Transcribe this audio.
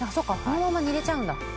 このまま煮れちゃうんだ。